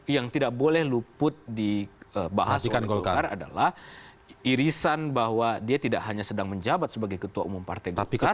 yang tidak boleh luput dibahas oleh golkar adalah irisan bahwa dia tidak hanya sedang menjabat sebagai ketua umum partai golkar